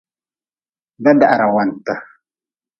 Dadahrawanti.